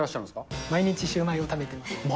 毎日シューマイを食べてます。